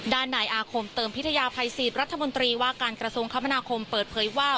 ด้านไหนอาคมเติมพิทยาภัยสีบรัฐมนตรีว่าการกระทรงคมเปิดเผยว่า